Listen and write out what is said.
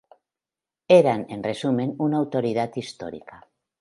Eran, en resumen, una autoridad histórica.